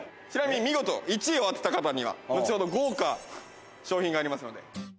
ちなみに見事１位を当てた方には、後ほど豪華商品がありますので。